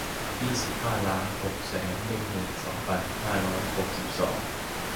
ยี่สิบห้าล้านหกแสนหนึ่งหมื่นสองพันห้าร้อยหกสิบสอง